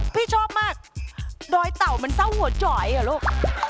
พี่ชอบมากดอยเต่ามันเศร้าหัวจอยเหรอลูก